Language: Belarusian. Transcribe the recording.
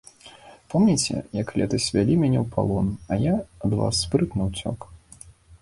Помніце, як летась вялі мяне ў палон, а я ад вас спрытна ўцёк.